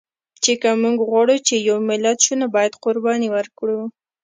چې که مونږ غواړو چې یو ملت شو، نو باید قرباني ورکړو